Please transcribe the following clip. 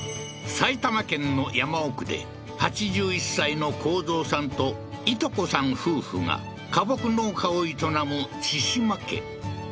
埼玉県の山奥で８１歳の幸三さんとイト子さん夫婦が花木農家を営む千島家